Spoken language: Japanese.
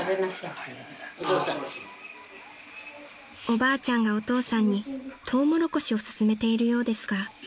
［おばあちゃんがお父さんにトウモロコシを勧めているようですが］